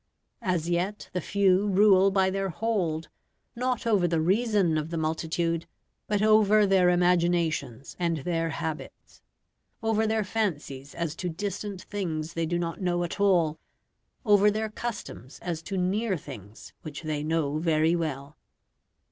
As yet the few rule by their hold, not over the reason of the multitude, but over their imaginations, and their habits; over their fancies as to distant things they do not know at all, over their customs as to near things which they know very well.